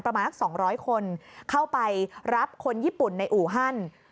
ประมาณสัก๒๐๐คนเข้าไปรับคนญี่ปุ่นในอู่ฮัน